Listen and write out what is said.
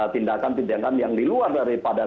tindakan tindakan yang di luar daripada